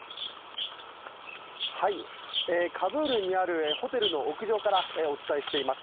カブールにあるホテルの屋上からお伝えしています。